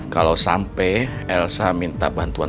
kalau sampai elsa minta bantuan